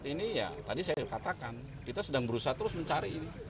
ini ya tadi saya katakan kita sedang berusaha terus mencari ini